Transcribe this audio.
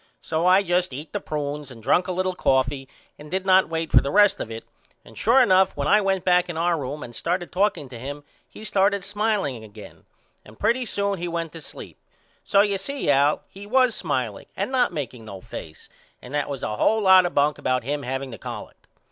So I just eat the prunes and drunk a little coffee and did not wait for the rest of it and sure enough when I went back in our room and started talking to him he started smileing again and pretty soon he went to sleep so you see Al he was smileing and not makeing no face and that was a hole lot of bunk about him haveing the collect.